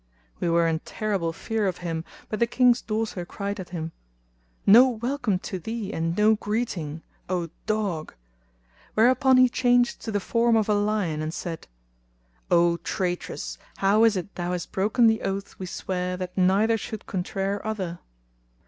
We were in terrible fear of him but the King's daughter cried at him, "No welcome to thee and no greeting, O dog!" whereupon he changed to the form of a lion and said, "O traitress, how is it thou hast broken the oath we sware that neither should contraire other!"